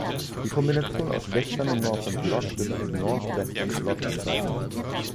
Die Kombination aus Western und Northern Blot wird als Northwestern Blot bezeichnet.